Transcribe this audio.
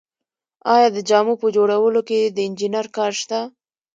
آیا د جامو په جوړولو کې د انجینر کار شته